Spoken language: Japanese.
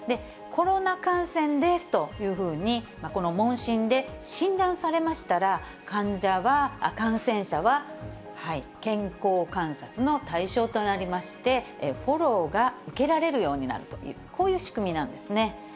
コロナ感染ですというふうに、問診で診断されましたら、患者は、感染者は、健康観察の対象となりまして、フォローが受けられるようになるという、こういう仕組みなんですね。